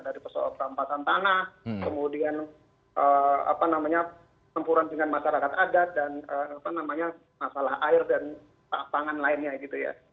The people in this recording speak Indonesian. dari persoalan perampasan tanah kemudian apa namanya tempuran dengan masyarakat agak dan apa namanya masalah air dan pangan lainnya gitu ya